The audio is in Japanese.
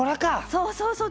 そうそうそう。